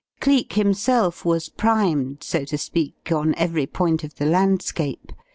Cleek himself was primed, so to speak, on every point of the landscape.